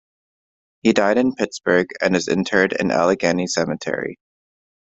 He died in Pittsburgh and is interred in Allegheny Cemetery.